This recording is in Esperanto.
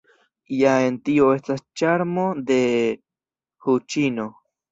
Ja en tio estas ĉarmo de huĉin-o.